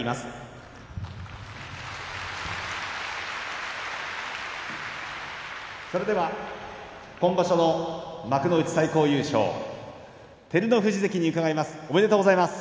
拍手それでは今場所の幕内最高優勝照ノ富士関に伺います。